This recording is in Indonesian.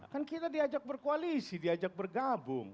kan kita diajak berkoalisi diajak bergabung